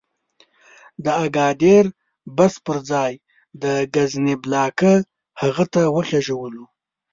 د اګادیر بس پر ځای د کزنبلاکه هغه ته وخېژولو.